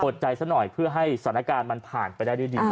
อดใจสักหน่อยเพื่อให้สถานการณ์มันผ่านไปได้ดี